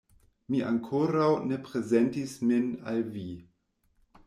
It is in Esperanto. Mi ankoraŭ ne prezentis min al vi.